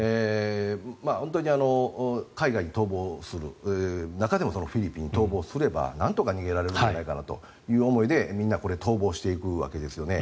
本当に海外に逃亡する中でもフィリピンに逃亡すればなんとか逃げられるのではないかという思いでみんな逃亡していくわけですよね。